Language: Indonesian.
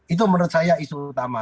itu menurut saya isu utama